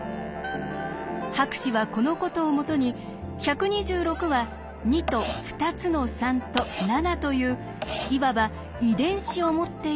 博士はこのことをもとに１２６は２と２つの３と７といういわば「遺伝子」を持っているというのです。